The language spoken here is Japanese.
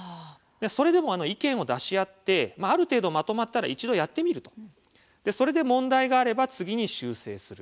それでも意見を出し合ってある程度まとまったら一度やってみるそれで問題があれば次に修正する。